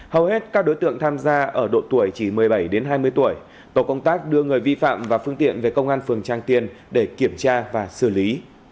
hầu hết các đối tượng tham gia ở độ tuổi chỉ một mươi bảy đến hai mươi tuổi tổ công tác đưa người vi phạm và phương tiện về công an phường trang tiền để kiểm tra và xử lý